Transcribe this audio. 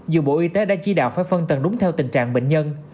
dù bộ y tế đã chỉ đạo phải phân tầng đúng theo tình trạng bệnh nhân